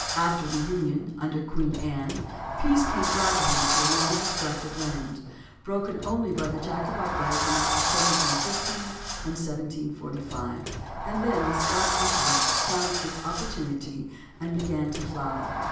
After the union, under Queen Anne, peace came gradually to the long distracted land, broken only by the Jacobite risings of 1715 and 1745, and then the Scotch intellect found its opportunity and began to flower.